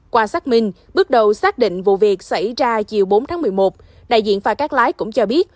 qua xác minh bước đầu xác định vụ việc xảy ra chiều bốn tháng một mươi một đại diện phà cắt lái cũng cho biết